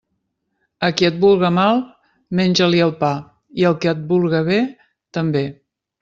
A qui et vulga mal, menja-li el pa, i al que et vulga bé, també.